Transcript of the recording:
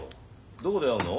どこで会うの？